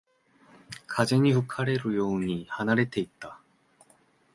風に吹かれるように離れていった